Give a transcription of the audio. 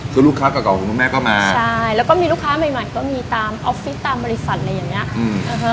คือลูกค้าเก่าของคุณแม่ก็มาใช่แล้วก็มีลูกค้าใหม่ใหม่ก็มีตามออฟฟิศตามบริษัทอะไรอย่างเงี้ย